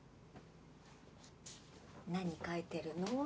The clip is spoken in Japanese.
何描いてるの？